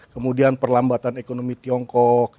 kemudian perlambatan ekonomi tiongkok